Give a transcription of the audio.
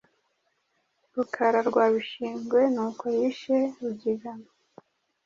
Rukara rwa Bishingwe, n’uko yishe Rugigana